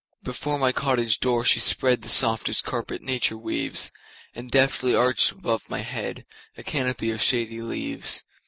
Before my cottage door she spreadThe softest carpet nature weaves, And deftly arched above my headA canopy of shady leaves.